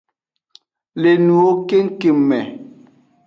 Le nuwo kengkeng me.